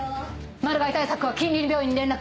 マル害対策は近隣病院に連絡。